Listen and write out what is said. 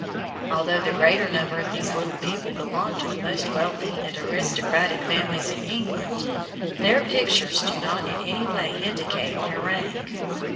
Although the greater number of these little people belonged to the most wealthy and aristocratic families in England, their pictures do not in any way indicate their rank.